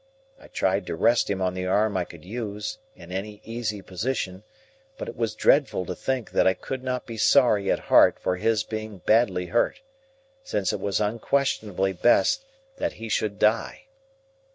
I tried to rest him on the arm I could use, in any easy position; but it was dreadful to think that I could not be sorry at heart for his being badly hurt, since it was unquestionably best that he should die.